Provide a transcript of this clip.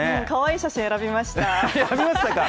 かわいい写真選びましたハハッ。